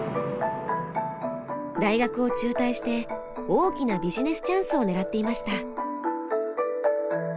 大学を中退して大きなビジネスチャンスを狙っていました。